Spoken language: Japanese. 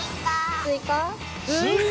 スイカ！？